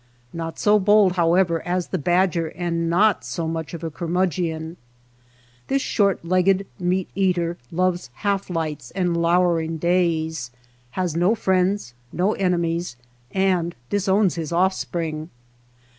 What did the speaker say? Not so bold, however, as the badger and not so much of a curmudgeon. This short legged meat eater loves half lights and lowering days, has no friends, no enemies, and disowns his offspring.